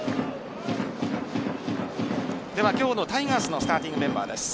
今日のタイガースのスターティングメンバーです。